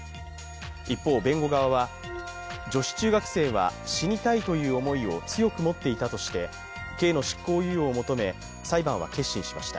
一方、弁護側は女子中学生は死にたいという思いを強く持っていたとして、刑の執行猶予を求め、裁判は結審しました。